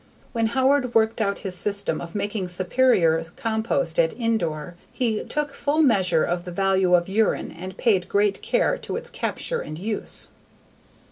When Howard worked out his system of making superior compost at Indore, he took full measure of the value of urine and paid great care to its capture and use.